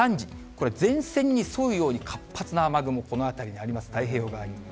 これ、前線に沿うように活発な雨雲、この辺りにあります、太平洋側に。